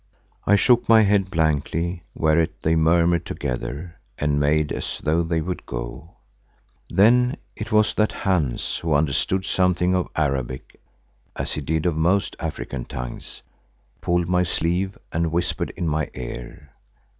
I shook my head blankly, whereat they murmured together and made as though they would go. Then it was that Hans, who understood something of Arabic as he did of most African tongues, pulled my sleeve and whispered in my ear.